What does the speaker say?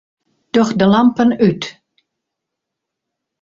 Doch de lampen út.